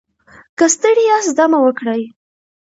که ستړي یاست دم وکړئ.